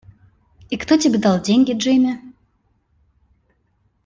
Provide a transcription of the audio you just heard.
И кто тебе дал деньги, Джимми?